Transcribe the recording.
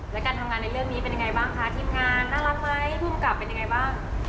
และการทำงานในเรื่องนี้เป็นยังไงบ้างคะทีมงานน่ารักไหมผู้กำกับเป็นยังไงบ้าง